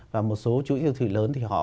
và một số chủ yếu thị lớn thì họ